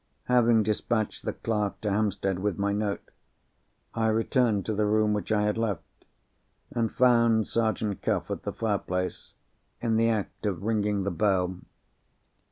Having despatched the clerk to Hampstead with my note, I returned to the room which I had left, and found Sergeant Cuff at the fireplace, in the act of ringing the bell.